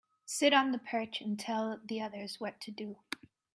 Sit on the perch and tell the others what to do.